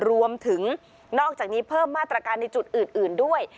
นอกจากนี้เพิ่มมาตรการในจุดอื่นด้วย